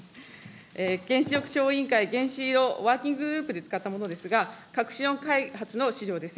原子力小委員会原子炉ワーキンググループで使ったものですが、革新炉開発の資料です。